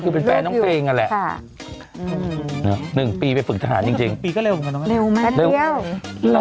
คือเป็นแฟนน้องเพลงนั่นแหละ